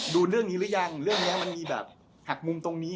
ดูเรื่องนี้หรือยังเรื่องนี้มันมีแบบหักมุมตรงนี้